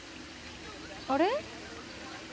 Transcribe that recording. あれ？